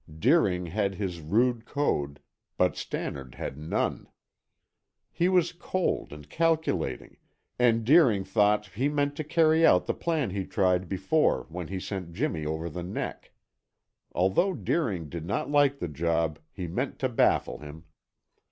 Deering had his rude code, but Stannard had none. He was cold and calculating, and Deering thought he meant to carry out the plan he tried before when he sent Jimmy over the neck. Although Deering did not like the job, he meant to baffle him.